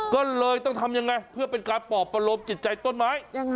ก็เลยต้องทำยังไงเพื่อเป็นการปอบประโลมจิตใจต้นไม้